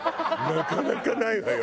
なかなかないわよ